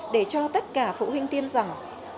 để cho tất cả phụ huynh tiên rằng